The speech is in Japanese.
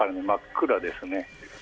真っ暗です。